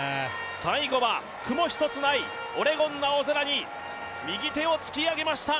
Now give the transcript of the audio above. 最後は雲一つないオレゴンの青空に右手を突き上げました。